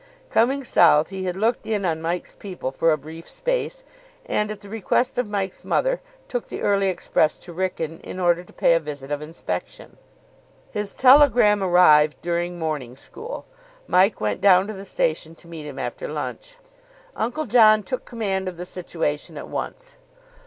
Coming south, he had looked in on Mike's people for a brief space, and, at the request of Mike's mother, took the early express to Wrykyn in order to pay a visit of inspection. His telegram arrived during morning school. Mike went down to the station to meet him after lunch. Uncle John took command of the situation at once.